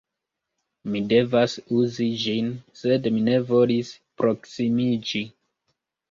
Mi devas uzi ĝin sed mi ne volis proksimiĝi